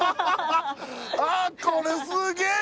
あーっこれすげえ！